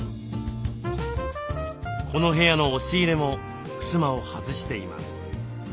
この部屋の押し入れもふすまを外しています。